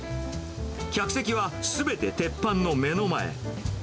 客席はすべて鉄板の目の前。